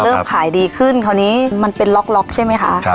พอเริ่มขายดีขึ้นคราวนี้มันเป็นล็อกล็อกใช่ไหมคะครับ